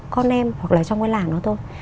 con em hoặc là trong cái làng đó thôi